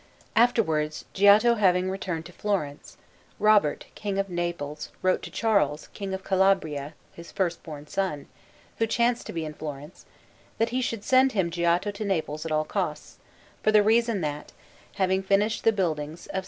Afterwards, Giotto having returned to Florence, Robert, King of Naples, wrote to Charles, King of Calabria, his first born son, who chanced to be in Florence, that he should send him Giotto to Naples at all costs, for the reason that, having finished the building of S.